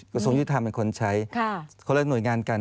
กระทรวงยุทธรรมเป็นคนใช้คนละหน่วยงานกัน